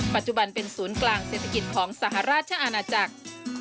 ปัจจุบันเป็นศูนย์กลางเศรษฐกิจของสหราชอาณาจักร